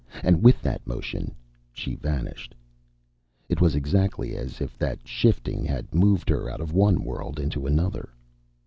And with that motion she vanished. It was exactly as if that shifting had moved her out of one world into another.